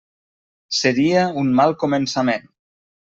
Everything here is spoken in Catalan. Seria un mal començament.